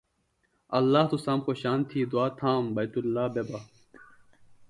ﷲ تُسام خوشن تھی دعا تھام بیت ﷲ بے بہ۔